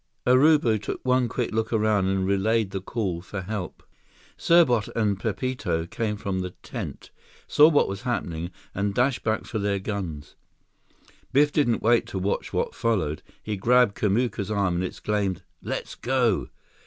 _" Urubu took one quick look and relayed the call for help. Serbot and Pepito came from the tent, saw what was happening, and dashed back for their guns. Biff didn't wait to watch what followed. He grabbed Kamuka's arm and exclaimed, "Let's go!"